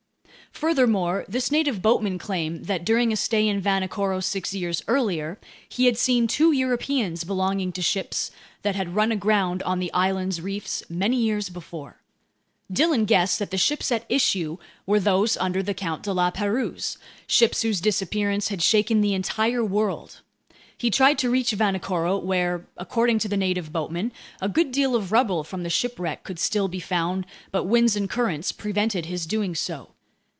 Furthermore, this native boatman claimed that during a stay in Vanikoro six years earlier, he had seen two Europeans belonging to ships that had run aground on the island's reefs many years before. Dillon guessed that the ships at issue were those under the Count de La Pérouse, ships whose disappearance had shaken the entire world. He tried to reach Vanikoro, where, according to the native boatman, a good deal of rubble from the shipwreck could still be found, but winds and currents prevented his doing so.